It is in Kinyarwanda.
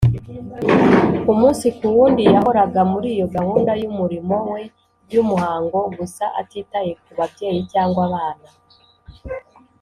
. Umunsi ku wundi yahoraga muri iyo gahunda y’umurimo we by’umuhango gusa, atitaye ku babyeyi cyangwa abana